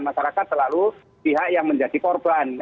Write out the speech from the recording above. masyarakat selalu pihak yang menjadi korban